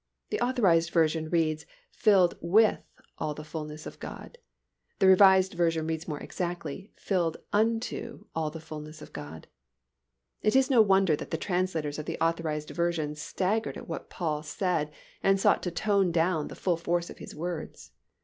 The Authorized Version reads "Filled with all the fullness of God." The Revised Version reads more exactly "filled unto all the fullness of God." It is no wonder that the translators of the Authorized Version staggered at what Paul said and sought to tone down the full force of his words.